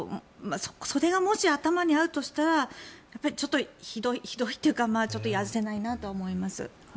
それがもし、頭にあるとしたらちょっとひどいひどいっていうかやるせないなとは思います。